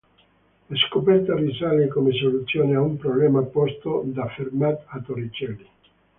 La scoperta risale come soluzione a un problema posto da Fermat a Torricelli.